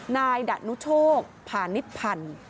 นายดัดนุชกผ่านิดพันธุ์